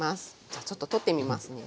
じゃあちょっと取ってみますね。